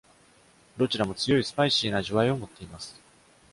どちらも強いスパイシーな味わいをもっています。